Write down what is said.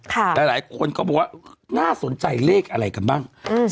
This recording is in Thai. หลายคนก็บอกว่าน่าสนใจเลขอะไรกันบ้างอืม